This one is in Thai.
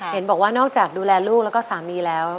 เห็นบอกว่านอกจากดูแลลูกแล้วก็สามีแล้ว